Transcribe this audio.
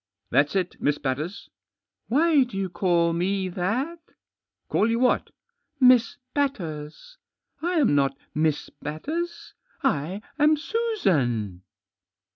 " That's It, Miss Batters/' 11 Why do you call me that ? w "Call you what?" "Miss Batters. I am not Miss Batters. I am Susan."